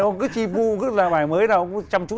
ông cứ chi vu cứ làm bài mới ra ông chăm chú